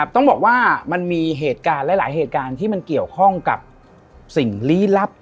ต้องบอกว่ามันมีเหตุการณ์หลายเหตุการณ์ที่มันเกี่ยวข้องกับสิ่งลี้ลับ